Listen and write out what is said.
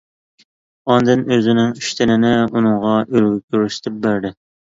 ئاندىن ئۆزىنىڭ ئىشتىنىنى ئۇنىڭغا ئۈلگە كۆرسىتىپ بەردى.